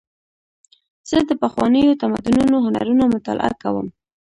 زه د پخوانیو تمدنونو هنرونه مطالعه کوم.